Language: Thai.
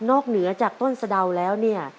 เหนือจากต้นสะดาวแล้วเนี่ย